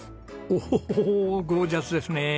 おおゴージャスですねえ。